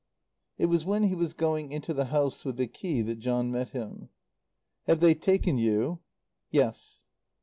It was when he was going into the house with the key that John met him. "Have they taken you?" "Yes."